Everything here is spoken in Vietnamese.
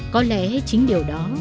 có lẽ chính điều đó